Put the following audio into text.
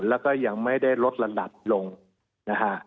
แล้วก็ยังไม่ได้ลดระดับลงนะฮะ